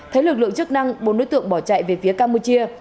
thấy lực lượng chức năng bốn đối tượng bỏ chạy về phía campuchia